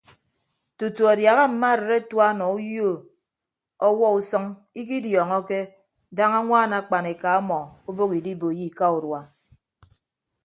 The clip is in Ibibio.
Tutu adiaha mma arịd atua nọ uyo ọwuọ usʌñ ikidiọọñọke daña añwaan akpan eka ọmọ obooho idiboiyo ika urua.